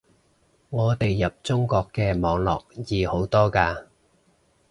我哋入中國嘅網絡易好多嘅